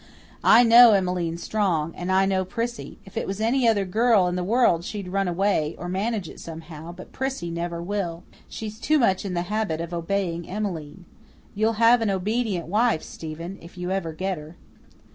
I know Emmeline Strong. And I know Prissy. If it was any other girl in the world she'd run away, or manage it somehow, but Prissy never will. She's too much in the habit of obeying Emmeline. You'll have an obedient wife, Stephen if you ever get her."